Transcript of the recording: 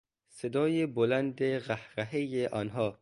صدای بلند قهقههی آنها